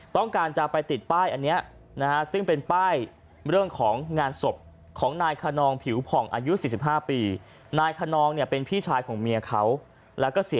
ต้องการจะไปติดป้ายอันนี้นะฮะซึ่งเป็นป้ายเรื่องของงานศพของนายขนองผิวผ่องอายุ๔๕ปีนาย